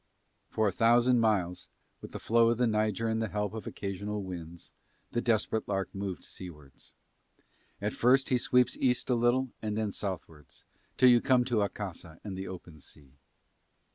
For a thousand miles with the flow of the Niger and the help of occasional winds, the Desperate Lark moved seawards. At first he sweeps East a little and then Southwards, till you come to Akassa and the open sea.